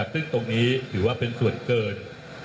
ซึ่งตรงนี้ถือว่าเป็นส่วนเกิน